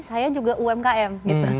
saya juga umkm gitu